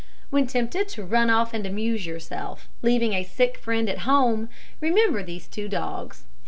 When tempted to run off and amuse yourself, leaving a sick friend at home, remember these two dogs.